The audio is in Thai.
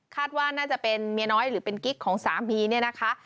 ว่าน่าจะเป็นเมียน้อยหรือเป็นกิ๊กของสามีเนี่ยนะคะ